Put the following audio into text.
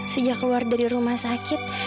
sejak keluar dari rumah sakit